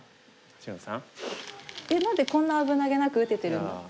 何でこんな危なげなく打ててるの？